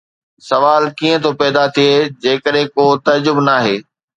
سوال ڪيئن ٿو پيدا ٿئي جڏهن ڪو به تعجب ناهي؟